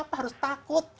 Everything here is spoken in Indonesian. kenapa harus takut